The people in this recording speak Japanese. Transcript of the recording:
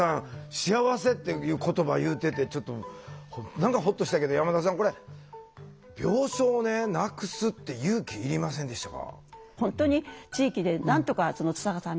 幸せっていう言葉言うててちょっと何かほっとしたけど山田さんこれ病床をなくすって勇気いりませんでしたか？